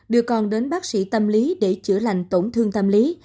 đưa con đến bác sĩ tâm lý để chữa lành tổn thương tâm lý